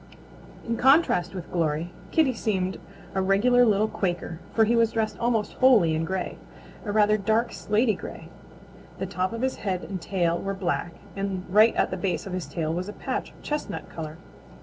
In contrast with Glory, Kitty seemed a regular little Quaker, for he was dressed almost wholly in gray, a rather dark, slaty gray. The top of his head and tail were black, and right at the base of his tail was a patch of chestnut color.